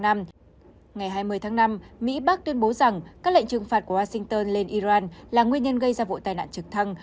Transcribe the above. ngày hai mươi tháng năm mỹ bác tuyên bố rằng các lệnh trừng phạt của washington lên iran là nguyên nhân gây ra vụ tai nạn trực thăng